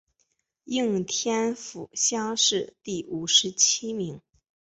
应天府乡试第五十七名。